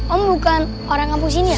om bukan orang kampus ini ya